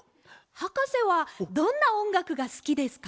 はかせはどんなおんがくがすきですか？